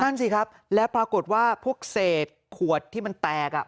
นั่นสิครับแล้วปรากฏว่าพวกเศษขวดที่มันแตกอ่ะ